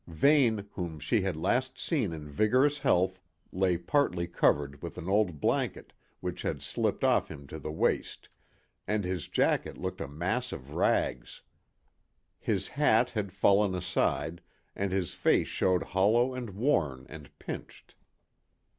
Vane, whom she had last seen in vigorous health, lay partly covered with an old blanket which had slipped off him to the waist, and his jacket looked a mass of rags. His hat had fallen aside, and his face showed hollow and worn and pinched.